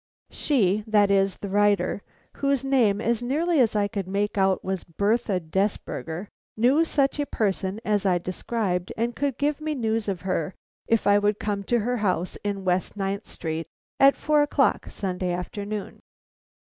She, that is, the writer, whose name, as nearly as I could make out, was Bertha Desberger, knew such a person as I described, and could give me news of her if I would come to her house in West Ninth Street at four o'clock Sunday afternoon.